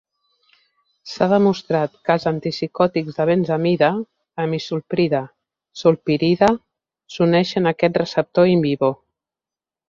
S'ha demostrat que els antipsicòtics de benzamida -amisulprida, sulpirida- s'uneixen a aquest receptor in vivo.